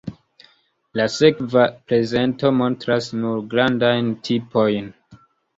La sekva prezento montras nur grandajn tipojn.